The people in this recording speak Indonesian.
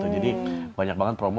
jadi banyak banget promo